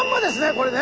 これね！